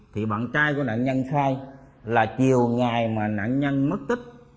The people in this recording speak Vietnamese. thì bạn trai của nạn nhân khai là chiều ngày mà nạn nhân mất tích